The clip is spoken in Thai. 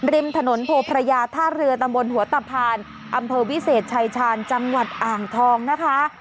ริมถนนโพพระยาท่าเรือตำบลหัวตะพานอำเภอวิเศษชายชาญจังหวัดอ่างทองนะคะ